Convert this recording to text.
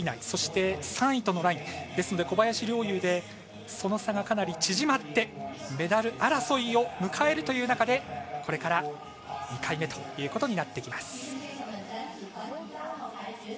そして、３位とのラインですので、小林陵侑でその差が、かなり縮まってメダル争いを迎えるという中でこれから２回目ということになってきます。